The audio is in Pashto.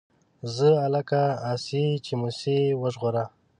زه لکه آسيې چې موسی يې وژغوره